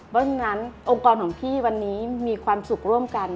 เพราะฉะนั้นองค์กรของพี่วันนี้มีความสุขร่วมกัน